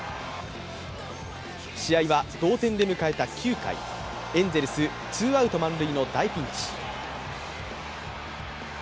試合は同点で迎えた９回エンゼルス、ツーアウト満塁の大ピンチ。